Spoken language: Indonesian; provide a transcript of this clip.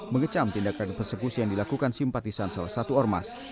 mengecam tindakan persekusi yang dilakukan simpatisan salah satu ormas